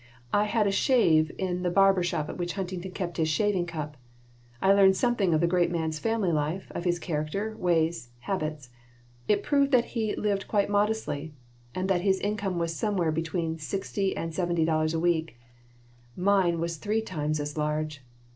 I had a shave in the barber shop at which Huntington kept his shaving cup. I learned something of the great man's family life, of his character, ways, habits. It proved that he lived quite modestly, and that his income was somewhere between sixty and seventy dollars a week. Mine was three times as large.